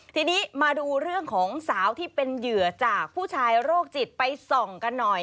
ทีนี้มาดูเรื่องของสาวที่เป็นเหยื่อจากผู้ชายโรคจิตไปส่องกันหน่อย